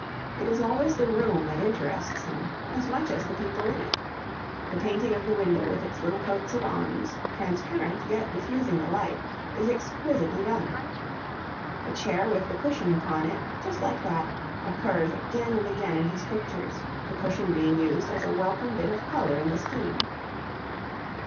It is always the room that interests him, as much as the people in it. The painting of the window with its little coats of arms, transparent yet diffusing the light, is exquisitely done. A chair with the cushion upon it, just like that, occurs again and again in his pictures, the cushion being used as a welcome bit of colour in the scheme.